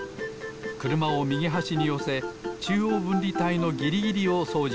くるまをみぎはしによせちゅうおうぶんりたいのギリギリをそうじします。